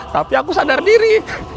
tapi aku sadar diri